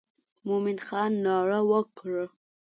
مومن خان ناره وکړه.